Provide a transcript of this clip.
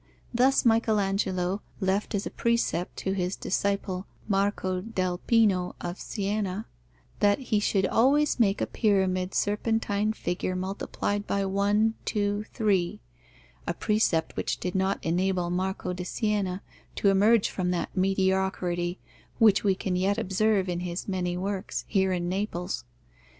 Thus Michael Angelo left as a precept to his disciple Marco del Pino of Siena that "he should always make a pyramidal serpentine figure multiplied by one, two, three," a precept which did not enable Marco di Siena to emerge from that mediocrity which we can yet observe in his many works, here in Naples.